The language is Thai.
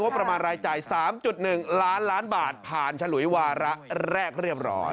ประมาณรายจ่าย๓๑ล้านล้านบาทผ่านฉลุยวาระแรกเรียบร้อย